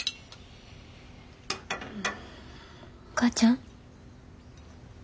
お母ちゃん？